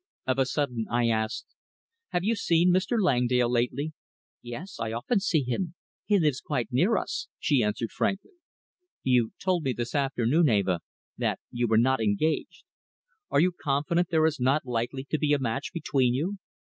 Of a sudden I asked "Have you seen Mr. Langdale lately?" "Yes. I often see him. He lives quite near us," she answered frankly. "You told me this afternoon, Eva, that you were not engaged. Are you confident there is not likely to be a match between you?"